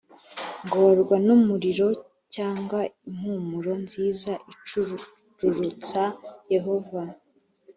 ngorwa n umuriro cy impumuro nziza icururutsa yehova